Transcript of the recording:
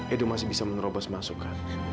edo masih bisa menerobos masukan